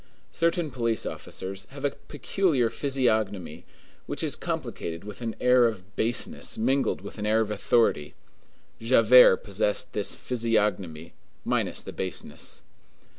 Certain police officers have a peculiar physiognomy, which is complicated with an air of baseness mingled with an air of authority. Javert possessed this physiognomy minus the baseness.